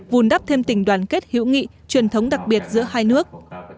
vùn đắp thêm tình đoàn kết hữu nghị truyền thống đặc biệt giữa hai nước